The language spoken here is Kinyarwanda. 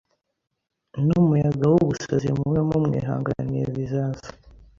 n'umuyaga w'ubusazi mube mumwihanganiye bizaza